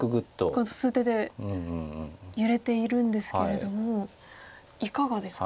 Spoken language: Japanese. この数手で揺れているんですけれどもいかがですか？